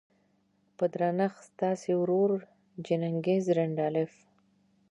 په درنښت ستاسې ورور جيننګز رينډالف.